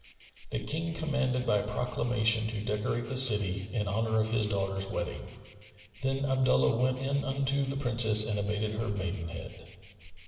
The King commanded by proclamation to decorate the city, in honour of his daughter's wedding. Then Abdullah went in unto the Princess and abated her maidenhead.